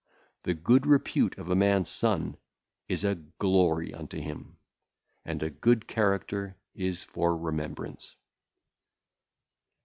The good repute of a man's son is a glory unto him; and a good character is for remembrance.